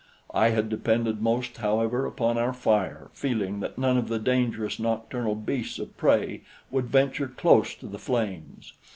I had depended most, however, upon our fire, feeling that none of the dangerous nocturnal beasts of prey would venture close to the flames.